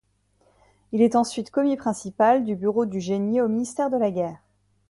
Il est ensuite commis principal du bureau du génie au Ministère de la Guerre.